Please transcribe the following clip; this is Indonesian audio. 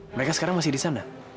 mereka sekarang masih di sana